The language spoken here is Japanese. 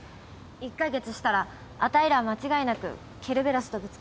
１カ月したらあたいらは間違いなくケルベロスとぶつかる。